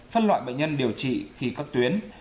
phân loại bệnh nhân điều trị khi có tuyến